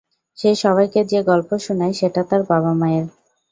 সে সবাইকে যে গল্প শোনায় সেটা তার বাবা-মায়ের।